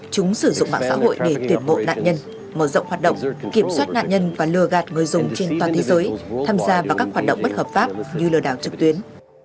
chúng sử dụng mạng xã hội để tuyển bộ nạn nhân mở rộng hoạt động kiểm soát nạn nhân và lừa gạt người dùng trên toàn thế giới tham gia vào các hoạt động bất hợp pháp như lừa đảo trực tuyến